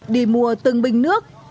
đi mua từng bình nước